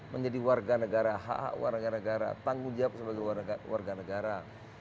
menjadi warga negara hak hak warga negara tanggung jawab sebagai warga negara